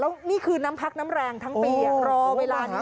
แล้วนี่คือน้ำพักน้ำแรงทั้งปีรอเวลานี้